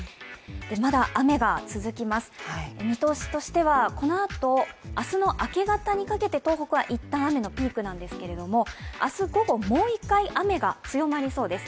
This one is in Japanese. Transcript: まだ雨が続きます、見通しとしてはこのあと、明日の明け方にかけて東北は一旦雨のピークなんですけれども、明日午後、もう一回雨が強まりそうです。